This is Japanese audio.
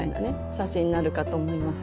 写真になるかと思います。